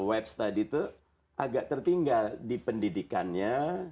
webs tadi itu agak tertinggal di pendidikannya